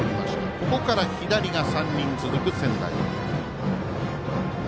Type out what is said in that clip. ここから左が３人続く仙台育英。